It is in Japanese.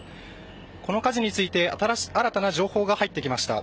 この火事について新たな情報が入ってきました。